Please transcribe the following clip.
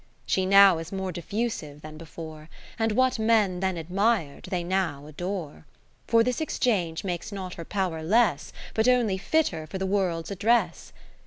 (538) She now is more diffusive than before ; And what men then admir'd, they now adore. For this exchange makes not her power less, But only fitter for the World's address.